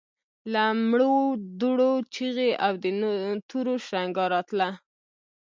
له مړو دوړو چيغې او د تورو شرنګا راتله.